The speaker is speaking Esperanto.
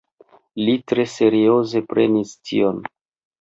Li tre serioze prenis tion.